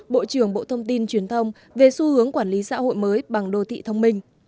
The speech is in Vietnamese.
bộ trưởng bộ thông tin truyền thông về xu hướng quản lý xã hội mới bằng đô thị thông minh